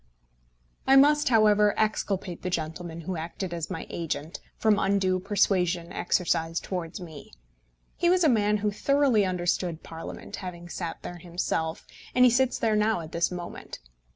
I must, however, exculpate the gentleman who acted as my agent, from undue persuasion exercised towards me. He was a man who thoroughly understood Parliament, having sat there himself, and he sits there now at this moment.